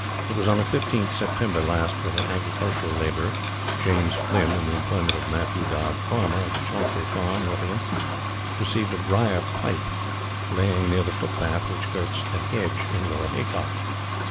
It was on the 15th September last that an agricultural labourer, James Flynn, in the employment of Mathew Dodd, farmer, of the Chauntry Farm, Withyham, perceived a briar pipe lying near the footpath which skirts the hedge in Lower Haycock.